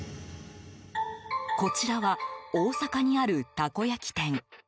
こちらは、大阪にあるたこ焼き店。